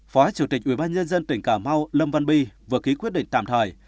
phó chủ tịch ủy ban nhân dân tỉnh cà mau lâm văn bi vừa ký quyết định tạm thời